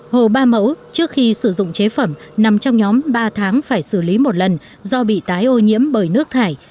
hồ ba mẫu trước khi sử dụng chế phẩm nằm trong nhóm ba tháng phải xử lý một lần do bị tái ô nhiễm bởi nước thải